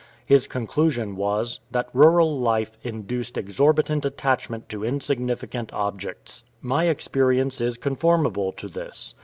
His conclusion was, that rural life induced exorbitant attachment to insignificant objects. My experience is conformable to this.